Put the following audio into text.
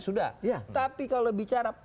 sudah tapi kalau bicara